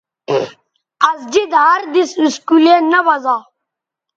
اسجد ہر دِس اسکولے نہ بزا